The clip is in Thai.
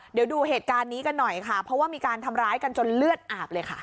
เดี๋ยวดูเหตุการณ์นี้กันหน่อยค่ะเพราะว่ามีการทำร้ายกันจนเลือดอาบเลยค่ะ